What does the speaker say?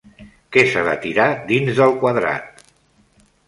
Què s'ha de tirar dins del quadrat?